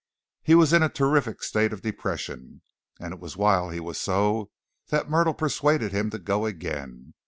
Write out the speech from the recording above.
He was in a terrific state of depression, and it was while he was so that Myrtle persuaded him to go again.